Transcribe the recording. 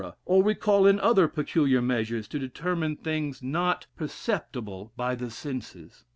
or we call in other peculiar measures to determine things not perceptible by the senses.